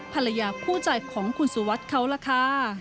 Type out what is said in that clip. ภรรยาคู่ใจของคุณสุวัสดิ์เขาล่ะค่ะ